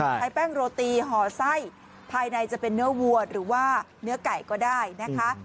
ใช้แป้งโรตีห่อไส้ภายในจะเป็นเนื้อวัวหรือว่าเนื้อไก่ก็ได้นะคะ